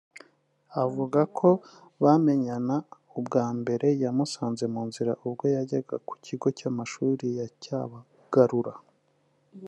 Avuga ko bamenyana ubwa mbere yamusanze mu nzira ubwo yajyaga ku kigo cy’amashuri ya Cyabagarura